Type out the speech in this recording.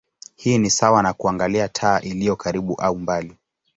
Hii ni sawa na kuangalia taa iliyo karibu au mbali.